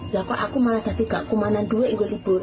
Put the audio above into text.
laku aku malah jadi gak kumanan duit gua libur